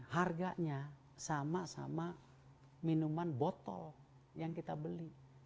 harganya sama sama minuman botol yang kita beli